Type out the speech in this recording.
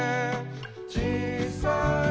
「ちいさい？